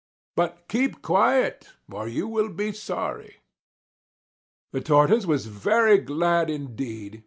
But keep quiet or you will be sorry." The Tortoise was very glad indeed.